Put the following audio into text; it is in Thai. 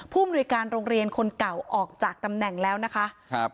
มนุยการโรงเรียนคนเก่าออกจากตำแหน่งแล้วนะคะครับ